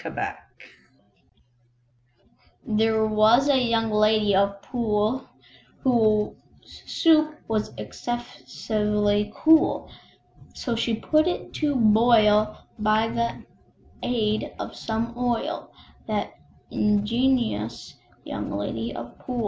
There was a Young Lady of Poole, Whose soup was excessively cool; So she put it to boil by the aid of some oil, That ingenious Young Lady of Poole.